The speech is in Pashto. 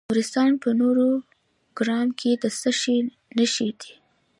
د نورستان په نورګرام کې د څه شي نښې دي؟